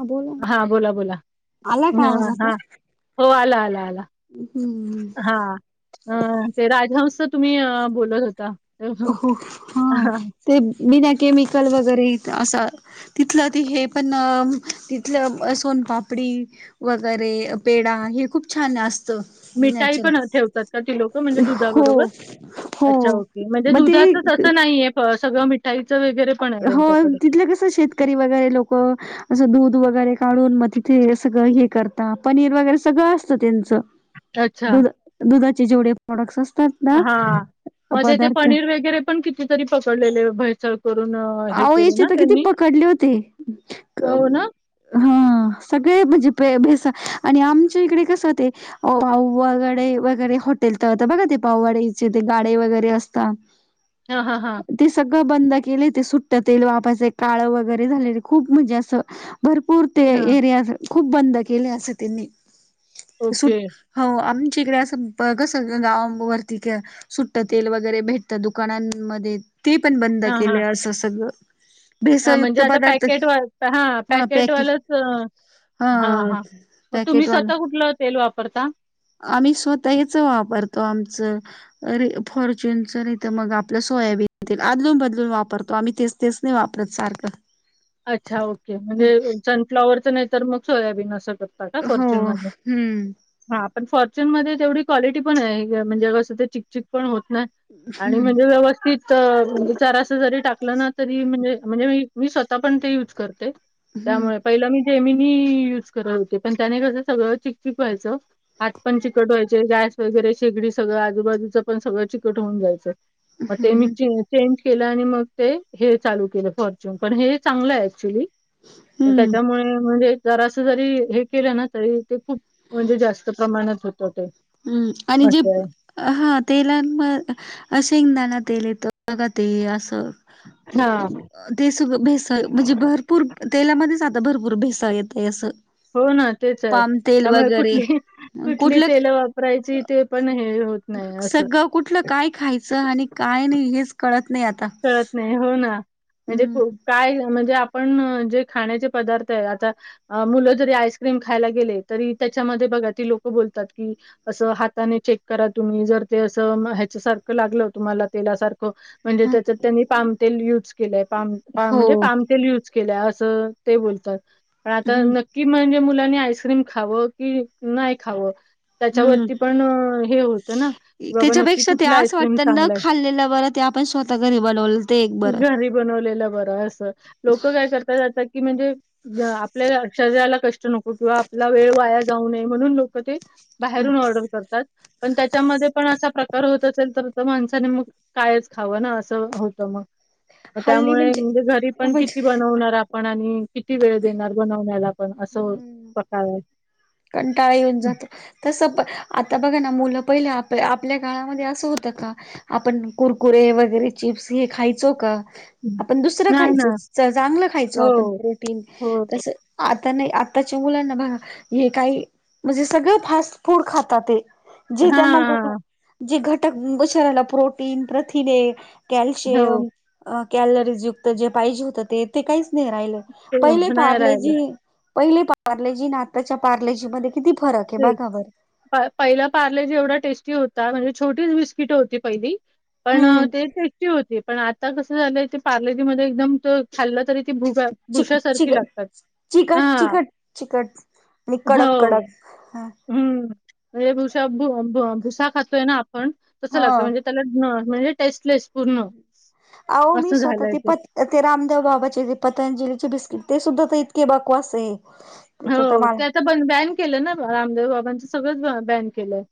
हा बोला हा बोला बोला. आला का ह आवाज आता हा हो आला आला आला हम्म हा. अ ते राजहंसचा तुम्ही बोलत होता. हो हा हां. ते बिना केमिकल वगैरे असं. तिथलं त हे पण तिथलं सोनपापडी वगैरे पेढा हे खूप छान असत. मिठाई पण ठेवतात. का ती लोक म्हणजे हो दुधाबरोबर हो अच्छा ओके. म्हणजे मग ते दुधाचच असं नाहीय सगळं मिठाईचं वगैरे पण आहे हो त्यांच्याकडे. तिथलं कसं शेतकरी वगैरे लोक. असं दूध वगैरे काढून मग तिथे सगळं हे करता पनीर वगैरे सगळं असतं त्यांचं अच्छा. दुध दुधाचे जेवढे प्रॉडक्ट्स असतात. ना हा मजे ते पदार्थ पनीर वगैरे पण कितीतरी पकडलेले भैसळ करून हे अहो केले याचे ना तर किती त्यांनी? पकडले होते. हो ना? हा सगळे म्हणजे बेस आणि आमच्या इकडे कस हो ते पाव वगैरे वगैरे हॉटेल तरता बघा ते पाववाडीचे ते गाडे वगैरे असतात. [unintelligible] हा हा हां ते सगळं बंद केले ते सुट्ट तेल वापायचं काळं वगैरे झालेले खूप म्हणजे असं भरपूर ते हां, एरिया खूप बंद केले अस त्यांनी सुट ओके. हो आमच्या इकडे असं बघस गाव वरती कि सुट्ट तेल वगैरे भेटत दुकानांमध्ये ते पण बंद केलं असं सगळं हा भेसळयुक्त म्हणजे आता पदार्थ पॅकेट वा हा पॅकेटवालंच हा हा-हा मग तुम्ही पॅकेटवाला स्वतः कुठलं तेल वापरता? आम्ही स्वतःच वापरतो आमचं अरे फॉर्च्युूनचं नाही तर मग आपलं सोयाबीन आदलून बदलून वापरतो आम्ही ते तेच नाही वापरत सारखं अच्छा ओके म्हणजे सनफ्लावरच नाही तर मग सोयाबीन असं करतो का हो फॉर्च्यून मध्ये हम्म हा पण फॉर्च्यून मध्ये तेवढी क्वालिटी पण आहे. म्हणजे कसं ते चिकचिक पण होत नाही. आणि हम्म म्हणजे व्यवस्थित चार अस जरी टाकलं ना तरी म्हणजे म्हणजे मी स्वतः पण ते युज करते हम्म त्यामुळे पहिला मी जेमिनी युज करत होते. पण त्याने कसं सगळं चिक चिक व्हायचं. हात पण चिकट व्हायचे गॅस वगैरे शेगडी सगळं आजूबाजूचं पण सगळं चिकट होऊन जायचं. मग ते मी हम्म चेंज केलं आणि मग ते हे चालू केलं फॉर्च्यून पण हे चांगलं आहे ऍक्च्युली तर हम्म त्याच्यामुळे म्हणजे जरास जरी हे केलं ना तरी ते खूप म्हणजे जास्त प्रमाणात होतो ते हम्म आणि जे असं आहे. हा तेला म असेंगदाला तेल येतं बघ ते असं हां. ह ते सुग भेसळ म्हणजे भरपूर तेलामध्येच आता भरपूर भेसाळ येत आहे असं हो ना तेच आहे पाम तेल त्यामुळे वगैरे कुठली कुठली कुठलं तेल वा वापरायची ते पण हे होत नाही असं. सगळं कुठलं काय खायचं? आणि काय नाही? हेच कळत नाही आ कळत नाही हो ना म्हणजे काय म्हणजे आपण जे खाण्याचे पदार्थ आहे आता अ मुलं जरी आईस्क्रीम खायला गेले तरी त्याच्यामध्ये बघा ती लोक बोलतात. की असं हाताने चेक करा तुम्ही जर ते असं ह्याच्या सारखं लागलं तुम्हाला तेलासारखं म्हणजे त्याच्यात त्यांनी पामतेल युज केलय पाम हो म्हणजे पामतेल युज केल्या अस ते बोलतात पण आता हम्म कि म्हणजे मुलांनी आईस्क्रीम खावं की नाही खावं? हम्म त्याच्यावरती पण हे होतं ना की बाबा नक्की त्याच्यापेक्षा ते कुठला असं आईस्क्रीम वाटतं चांगला आहे [inaudible] ते आपण स्वतः घरी बनवल घरी बनवलेला बरं असं लोक काय करता जातात की म्हणजे आपल्या शरीराला को किंवा आपला वेळ वाया जाऊ नये म्हणून लोक ते बाहेरून त्याच्यामध्येण प्रकार होत असेल तर माण मग काय खाव होत मग त्यामुळे म्हणजे घरी पण किती बनवणार आपण आणि किती वेळ देणार बनवण्याला पण असं पकार कंटाळ येऊन जातो. तसं प -आता बघा ना, मुलं पहिले आप- आपल्या काळामध्ये असं होतं का? आपण कुरकुरे वगैरे, चिप्स हे खायचो का? हं. आपण दुसरं नाही खायच ना. चांगलं खायचो, आपण हो, प्रोटीन हो. तसं. आता नाही. आत्ताच्या मुलांना बघा. हे काही म्हणजे, सगळं फास्ट फूड खातात ते. जे हां, त्यांना घट हां. जे घटक शरिराला प्रोटीन, प्रथिने, हो. कॅल्शियम. अ- कॅलरीज युक्त जे पाहिजे होत ते, ते काहीच नाही राहिलं, ते पहिले नाही पारले राहिलं. जी. पहिली पार्लेजी ना आताच्या पार्लेजी मध्ये किती फरक आहे ते बघा बरं. पहिला पार्ले जे एवढा टेस्टी होता, म्हणजे छोटीच बिस्किट होती पहिली. पण हम्म ते टेस्टी होती. पण आता कसं झालंय ते, पार्लेजीमध्ये एकदम खाल्लं तरी, ती भुग चि भुसा सारखी चिकट लागतात. चिकट हा.. चिकट चिकट आणि कडक हो.. कडक ह हम्म. म्हणजे भुष भु-भुसा खातोय ना, आपण तस लागतं. हा म्हणजे म्हणजे टेस्टलेस्ट. अहो मी स्वतः ते पतं ते रामदेव बाबाचे पतंजलीचे बिस्किट, ते सुद्धा तर इतके बकवास ये. हो, ते आता बॅन केलं ना, रामदेव बाबांचं सगळंच बॅन केलंय.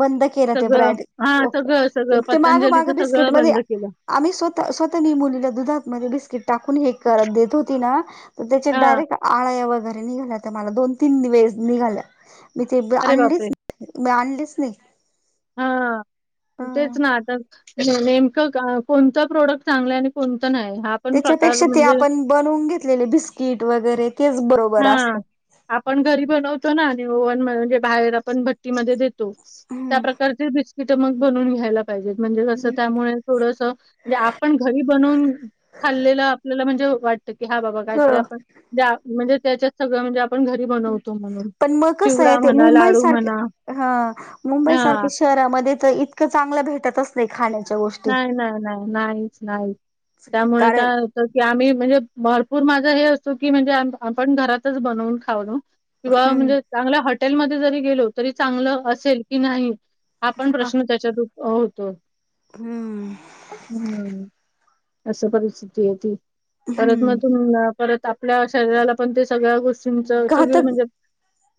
बंद केलं ते सगळं ब्रॅण्ड हा ओके. सगळं सगळं ते माग पतंजलीच मागं बिस्किट सगळं मध्ये, बंद केलं आम्ही स्वतः स्वतः मी मुलीला दुधातमध्ये, बिस्किट टाकून हे करत देत होती ना. त्यांच्या हा डायरेक्ट आळ्या वगैरे निघाल्या होत्या. मला दोन तीन वेळेस निघाल्या. मी ते अरे आणलीच बापरे नाही, मी आणलीच नाही. हा ह तेच ना, आता नेमकं कोणता प्रोडक्ट चांगला आहे. आणि कोणता नाही हां तेच्यापेक्षा ते आपण बनवून घेतलेले बिस्किट वगैरे, तेच बरोबर हा असतं. आपण घरी बनवतो ना, आणि ओवन म्हणजे बाहेर आपण भट्टी ट्टी मध्ये देतो. हम्म त्याप्रकारची बिस्किट मग बनवून घ्यायला पाहिजेत. म्हणजे जसं त्यामुळें थोडंसं, म्हणजे आपण घरी बनवून खाल्लेलं आपल्याला म्हणजे वाटत. की हां बाबा काहीतरी खरं आपण [unintelligible] म्हणजे त्याच्यात सगळं म्हणजे, आपण घरी बनवतो म्हणून. पण मग कसं चिवडा आहे ते म्हणा, मुंबई लाडू सारखे म्हणा. हा मुंबई हा सारख्या शहरांमध्ये तर, इतकं चांगलं भेटत असं. ते खाण्याच्या गोष्टी. नाही.. नाही.. नाही.. नाहीच नाही त्यामुळें कारण काय होत की आम्ही म्हणजे भरपूर माझा हे असतो की, म्हणजे आपण घरातच बनवून खाऊलो. किंवा हम्म म्हणजे चांगल्या हॉटेलमध्ये जरी गेलो, तरी चांगलं असेल कि नाही. हा पण प्रश्न त्यांच्यात होतो. हम्म. हम्म. अस परिस्थिती आहे ती. खरतर म- हम्म तुमला. परत आपल्या शरीराला पण ते, सगळ्या गोष्टींनच सगळ घातक म्हणजे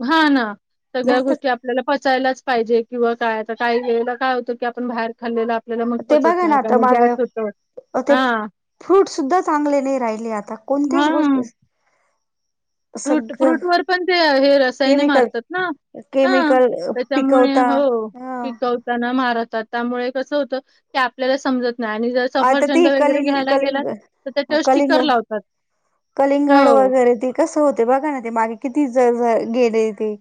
हां ना. सगळ्या घातक गोष्टी आपल्याला पचायलाच पाहिजे, किंवा काय आता काही वेळेला काय होतं की, आपण बाहेर खालो. आपल्याला मग पचत नाही, त्यामुळे गॅस होतं. ओ ते फ्रूट सुुद्धा चांगले नाही राहिले आता, कोणत्याच हा गोष्टी अशा फ्रूट फ्रूट वर पण ते हे, रसायने केमिकल मारतात ना. हां केमिकल त्यांच्यामुळे पिकवता हो. ह पिकव मारतात त्यामुळें कस होतं ते, आपल्याला समजत नाही. आता सफरचंद ते वगैरे कलिंग घ्यायला गेलात, कलिंग तर तित स्टिकर कलिंग लावतात. कलिंगड हो. वगैरे ते कसं होते बघा ना, ते मागे किती ज गेले ते.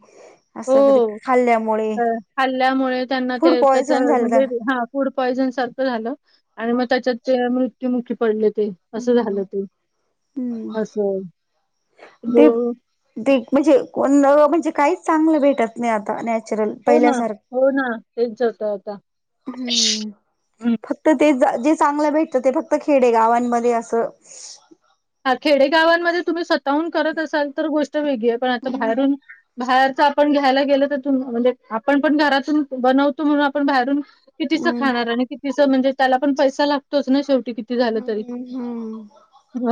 असं कधी हो. खाल्ल्यामुळे खाल्ल्यामुळे त्यांना फूड ते, त्याच पॉयझन झालं म्हणजे तर हा, फूड पॉयझन सारखं झालं, आणि मग त्यांच्यात मृत्युमुखी पडलेत. ते.. असं हम्म झालं ते, हम्म असं ते हो.. ते म्हणजे कोण म्हणजे काहीच चांगलं भेटत नाही. आता नॅचरल हो ना. पहिल्यासारखं, हो ना, तेच [unintelligible] आता हम्म फक्त ते जे चांगलं भेटत ते फक्त खेडे गावांमध्ये असं हा खेडेगावांमध्ये तुम्ही स्वतःहून करत असाल तर गोष्ट वेगळी आहे पण आता बाहेरून बाहेरच आपण घ्यायला गेलं त्यातून म्हणजे आपण पण घरातून बनवतो म्हणून आपण बाहेरून कितीचं हम्म खाणार आणि कितीचं म्हणजे त्याला पण पैसा लागतोच ना शेवटी किती झालं तरी. हम्म हम्म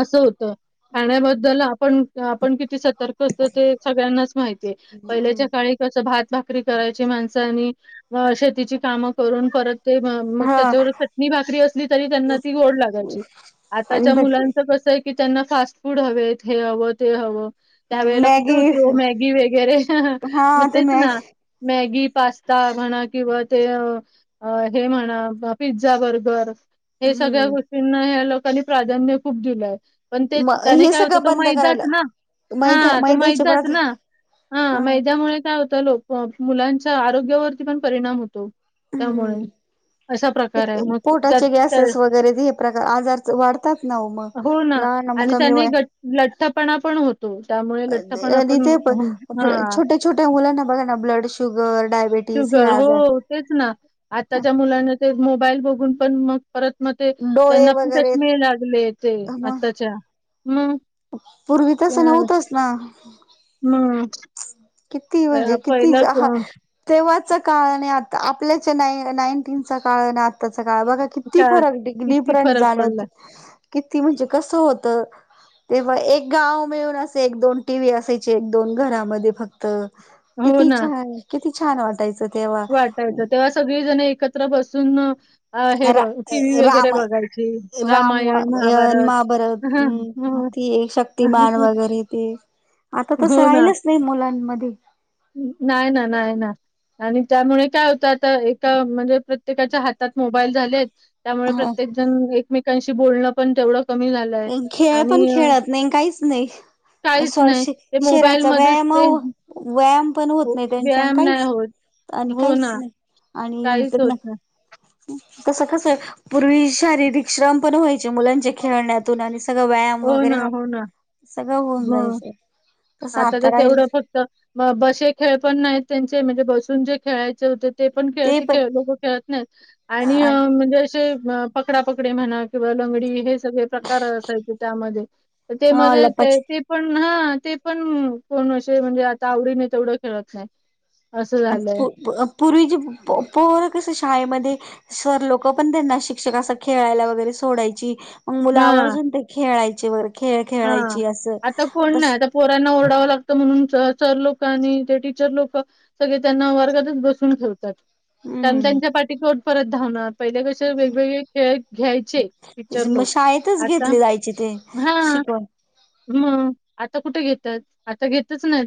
असं होतं खाण्याबद्दल आपण आपण किती सतर्क असतो ते सगळ्यांनाच माहितीये पहिल्याच्या हम्म काळी कस भात भाकरी करायची माणसानी शेतीची कामं करून परत ते मग हा त्याच्यावर चटणी भाकरी असली तरी त्यांना ती गोड लागायची आणि आताच्या मुलां कस आहे की त्यांना फास्ट फूड हव हे हवं ते हवं त्यावेेळेला कुठे मॅगी होती हो मॅगी वगैरे हा मग ते तेच मॅगी ना मॅगी पास्ता म्हणा किंवा ते अ हे म्हणा पिझ्झा बर्गर हे सगळ्या हम्म गोष्टींना ह लोकांनी प्राधान्य खूप दिलंय पण ते मग त्याने हे काय होतं सगळं तो बंद करायला माहिदाच ना मैदा हा तो मैद्याचे माहिदाच पदार्थ ना हा हं मैद्यामुळे काय होतं लोक मुलांच्या आरोग्यावरती पण परिणाम होतो त्यामुळे हम्म असा प्रकार आहे मग त्या पोटाचे गॅसेस वगैरे प्रकार आजार वाढतात ना मग हो ना ल मग आणि कमी व त्याने गट लठ्ठपणा पण होत त्यामुळे लठ्ठपणा पण ते प हा छोट्या छोट्या मुलांना बघा ना ब्लड शुगर डायबेटी शुगर हो तेच ना आत्ताच्या मुलांना ते मोबाईल बघून पण मग परत मग ते डोळे त्यांना पण त्याश वगैरे मिळ लागले ते आताच्या मग पूर्वीतच आणि होतस ना हम्म किती म्हणजे किती ह तेव्हाच काळ आणि आता आपल्याच्या ना नाईन्टीनचा काळ आणि आत्ताचा काळ बघा किती का फरक किती डिफरंट फरक पडला. जाणवत किती म्हणजे कसं होत तेव्हा एक गाव मिळून असे एक दोन टी व्ही असायची एक दोन घरा म फक्त हो किती ना, छ किती छान वाटायचं तेव्हा वाटायचं तेव्हा सगळीजण एकत्र बसून अ हे रा बघ टी व् वगैरे राम बघायची राम रामायण महाभारत हो. ते शक्तिमान वगैरे ते आता तसं हो ना. राहिलंच नाही मुलांमध्ये नाही ना नाही ना आणि त्यामुळे काय होतं आता एका म्हणजे प्रत्येकाच्या हातात मोबाईल झालेत त्यामुळे ह प्रत्येक जण एकमेकांशी बोलणं पण तेवढं कमी झालं खेळ पण खेळत नाही काहीच काहीच नाही. नाही ते शेराचा मोबाईलमध्येच व्यायाम ते व्यायाम पण होत हो, नाही त्यांच्या व्यायाम नाही काहीच होत. आणि हो काहीच ना, नाही आणि काहीच त्यां होत नाही. तस कस पूर्वी शारीरिक श्रम पण व्हायचे मुलांचे खेळण्यात सगळ व्यायाम हो वगैरे ना, हा हो ना. सगळं होऊन जायच मग आता तर तेवढं फक्त बसे खेळ पण नाहीत त्यांचे म्हणजे बसून जे खेळायचे होते ते पण खेळते खे लोक खेळत नाहीत आणि अ म्हणजे पकडा पक म्हणावा लंगडी सळे प्रकार असायचे त्यामध्ये त्यामध्ये लपाच ते पण हा ते पण कोण म्हणजे आता आवडी नाही तेवढं खेळत नाही असं झालंय. पूर्वीचे पोर कस शाळेमध्ये स लोक पण त्यांना शिक्षक असं खेळायला वगैरे सोडायची मग हां, मुलावरचून ते खेळायचे वग खेळ खेळायची असं त पोर्यांना ओरडावं लागतं म्हणून सर लोक आणि ते टीचर लोक. सगळे त्यांना वर्गातच बसून ठेवतात त्यां हम्म त्यांच्या पाठीकोट परत धावणार. पहिल्या गष्टी वेगवेगळे खेळ घ्यायचे पिक्चर मग लोक शाळेतच आता घेतली जायची ते हा. शिकवण मग आता कुठे घेतात आता घेतच नाही.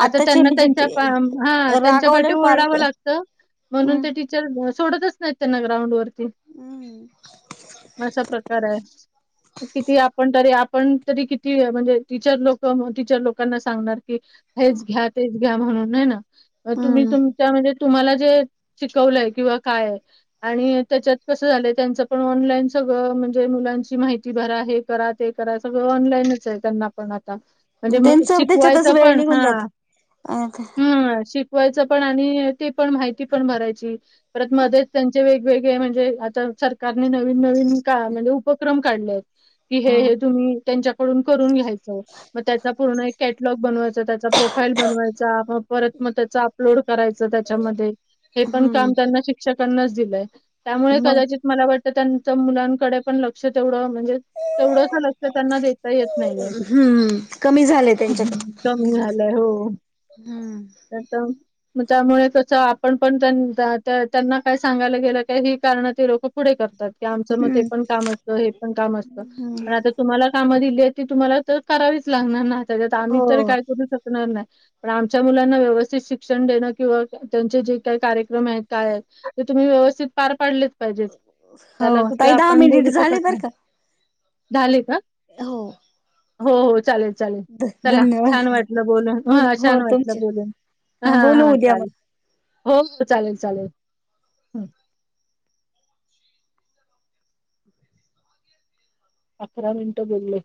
आता आताचे त्यांना म्हणजे त्यांच्या हा त्यांच्या पाठी रागावले पालक ओरडावं लागतं म्हणून हम्म त्या. सोडतच नाही त्यां ना ग्राउंडवर. हम्म असा प्रकार आहे किती आपण तरी आपण. तरी किती म्हणजे टीचर लोक टीचर लोकांना सांगणार की हेच घ्या ते. घ्या म्हणून नाही ना तुम्ही तुमच्यामध्ये तुम्हाला जे शिकवलंय किंवा काय. आणि त्याच्यात कसं झालंय त्यांचं पण ऑनलाईन सगळं म्हणजे मुलांची माहिती भर आहे. करा ते करा सगळं ऑनलाईनच आहे त्यांना पण आता. म्हणजे त्यांच त्याच्यातच शिकवायचं वेळ पण निघून हा जात अ हम श वायच पण आणि ते पण माहिती पण भरायची परत मध्येच त्यांचे वे वेगवेगळे म्हणजे आता सरकारने नवीन नवीन का म्हणजे उपक्रम काढलेत. कि हे हे तुम्ही त्यांच्याकडून करून घ्यायचं मग त्याचा पूर्ण कॅटलॉग बनवायचा त्याचा प्रोफाईल बनवायचा आप परत मग त्याच अपलोड करायचं त्याच्यामध्ये हे पण हम्म काम त्यांना शिक्षकांनाच दिलंय. त्यामुळे मग कदाचित मला वाटतं त्यांच मुलांकडे पण लक्ष तेवढं म्हणजे तेवढंस लक्ष त्यांना देत. हम्म कमी झालंय त्यांच्याकडे. कमी मिळालंय हो हम्म त्याता त्यामुळे कस आपण पण त्यांना काय सांगायला गेलं का ही कारण ते लोक पुात आ हम्म मण कामत पण काम असत हम् पण आ तुम्हा का तुम्हाला तर करावीच लागणार ना त्याच्यात आम्ही हो त काय करू शकणार नाही. पण आमच्या मुलांना व्यवस्थित शिक्षण देणं किंवा त्यांचे जे काही कार्यक्रम आहेत काय आहेत ते तुम्ही व्यवस्थित पार पाडलेच पाहिजेत हो त्याला कुठे ताई दहा आपण मिनिट बोलू शकत झाले बर नाही. का झाले का हो हो हो चालेल चालेल चला धन्यवाद छान वाटलं बोलून बोल ह हो छान वाटलं तुमचे बोलून हा बोलू हा उद्या मग चालेल हो हो चालेल चालेल हं, अकरा मिनिट बोलले.